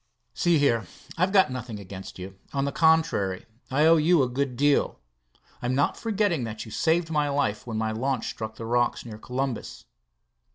See here, I've got nothing against you. On the contrary, I owe you a good deal. I'm not forgetting that you saved my life when my launch struck the rocks near Columbus."